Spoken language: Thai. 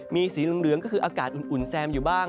มีสีเหลืองก็คืออากาศอุ่นแซมอยู่บ้าง